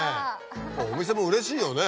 お店もうれしいよね。